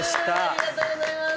ありがとうございます。